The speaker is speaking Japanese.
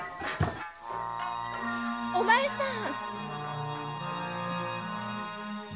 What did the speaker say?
お前さん